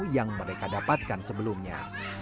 yang mereka dapatkan sebelumnya